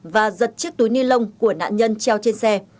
và giật chiếc túi ni lông của nạn nhân treo trên xe